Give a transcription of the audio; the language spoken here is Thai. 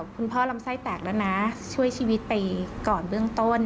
คุณพ่อลำไส้แตกแล้วนะช่วยชีวิตไปก่อนเบื้องต้น